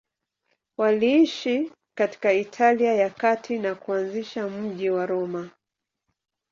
Waliishi katika Italia ya Kati na kuanzisha mji wa Roma.